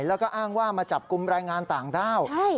แล้วก็อ้างว่ามาจับกลุ่มแรงงานต่างด้าว